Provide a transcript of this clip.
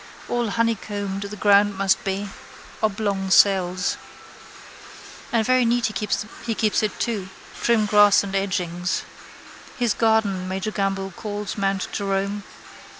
All honeycombed the ground must be: oblong cells. And very neat he keeps it too: trim grass and edgings. His garden Major Gamble calls Mount Jerome.